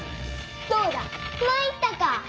どうだまいったか！